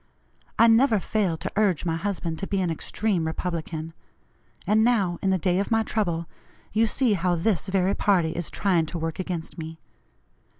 I never failed to urge my husband to be an extreme Republican, and now, in the day of my trouble, you see how this very party is trying to work against me.